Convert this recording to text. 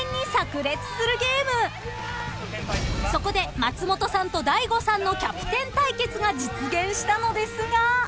［そこで松本さんと大悟さんのキャプテン対決が実現したのですが］